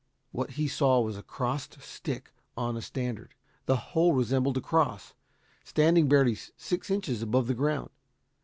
What he saw was a crossed stick on a standard. The whole resembled a cross, standing barely six inches above the ground.